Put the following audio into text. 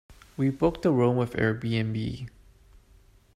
We booked a room with Airbnb.